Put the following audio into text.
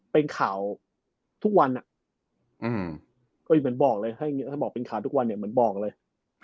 เป็นข่าวทุกวันถ้าบอกเป็นข่าวทุกวันเหมือนบอกเลย